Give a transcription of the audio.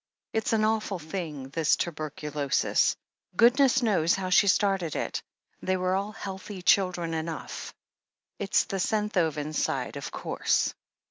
It's an awful thing, this tuberculosis — ^goodness knows how she started it, they were all healthy children enough. It's the Senthoven side, of course.